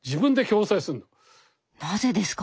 なぜですか？